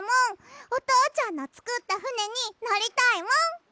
おとうちゃんのつくったふねにのりたいもん！